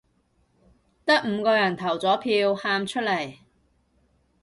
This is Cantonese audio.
得五個人投咗票，喊出嚟